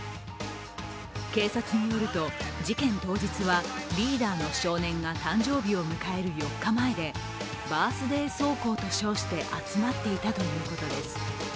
警察によると事件当日はリーダーの少年が誕生日を迎える４日前でバースデー走行と称して集まっていたということです。